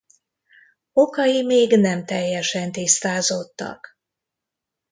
Okai még nem teljesen tisztázottak.